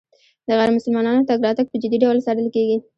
د غیر مسلمانانو تګ راتګ په جدي ډول څارل کېږي.